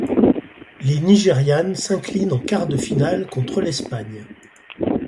Les Nigérianes s'inclinent en quart de finale contre l'Espagne.